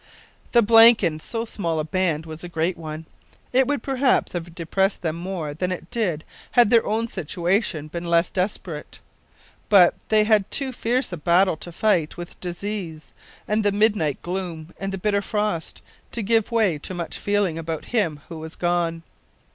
The blank in so small a band was a great one. It would perhaps have depressed them more than it did had their own situation been less desperate. But they had too fierce a battle to fight with disease, and the midnight gloom, and the bitter frost, to give way to much feeling about him who was gone.